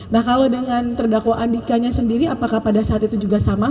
nah kalau dengan terdakwa andikanya sendiri apakah pada saat itu juga sama